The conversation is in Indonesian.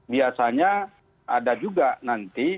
biasanya ada juga nanti